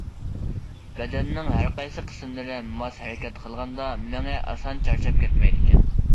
بەدەننىڭ ھەرقايسى قىسىملىرى ماس ھەرىكەت قىلغاندا، مېڭە ئاسان چارچاپ كەتمەيدىكەن.